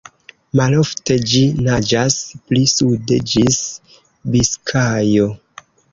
Malofte ĝi naĝas pli sude, ĝis Biskajo.